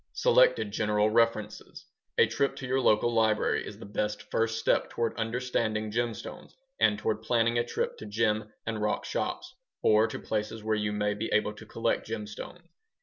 Selected general references A trip to your local library is the best first step toward understanding gemstones and toward planning a trip to gem and rock shops or to places where you may be able to collect gemstones.